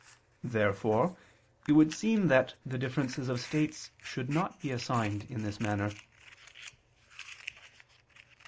Therefore it would seem that the differences of states should not be assigned in this manner.